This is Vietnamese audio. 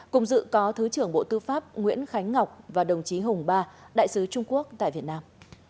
cùng dự có thứ trưởng bộ tư pháp nguyễn khánh ngọc và đồng chí hùng ba đại sứ trung quốc tại việt nam